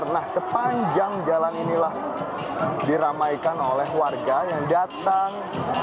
nah sepanjang jalan inilah diramaikan oleh warga yang datang